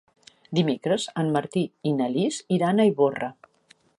Dimecres en Martí i na Lis iran a Ivorra.